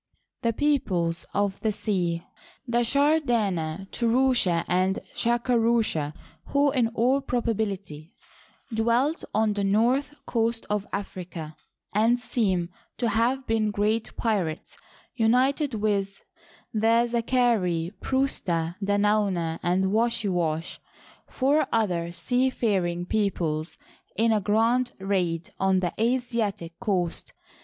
The " Peoples of the Sea "— the Shar^ dana^ Turuska, and Shakaruska, who in all probability dwelt on the north coast of Africa, and seem to have been great pirates — united with the Zak'kari, Pursta, Da nauna, and Ouaskauash, four other seafaring peoples, in a g^and raid on the Asiatic coast.